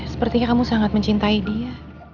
sepertinya kamu sangat mencintai dia